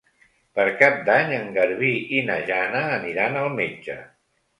Per Cap d'Any en Garbí i na Jana aniran al metge.